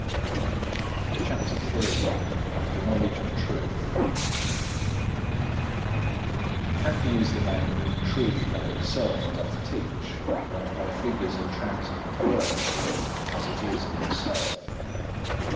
CHAPTER III Of the knowledge of truth Happy is the man whom Truth by itself doth teach, not by figures and transient words, but as it is in itself.